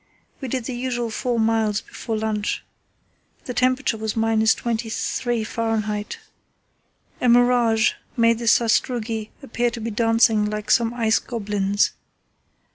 We did the usual four miles before lunch. The temperature was –23° Fahr. A mirage made the sastrugi appear to be dancing like some ice goblins.